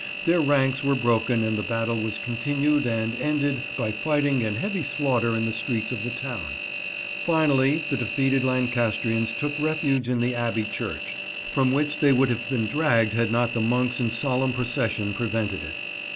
Their ranks were broken and the battle was continued and ended by fighting and heavy slaughter in the streets of the town. Finally the defeated Lancastrians took refuge in the Abbey church, from which they would have been dragged had not the monks in solemn procession prevented it.